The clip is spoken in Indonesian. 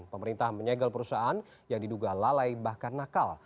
pemerintah menyegel perusahaan yang diduga lalai bahkan nakal